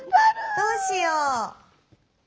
どうしよう。